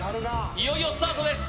いよいよスタートです